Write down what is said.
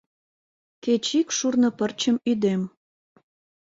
Кеч ик шурно пырчым ӱдем.